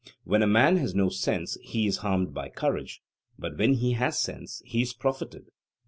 When a man has no sense he is harmed by courage, but when he has sense he is profited?